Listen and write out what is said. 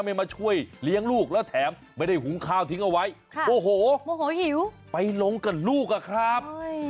ไม่มาช่วยเลี้ยงลูกแล้วแถมไม่ได้หุงข้าวทิ้งเอาไว้โมโหโมโหหิวไปลงกับลูกอะครับ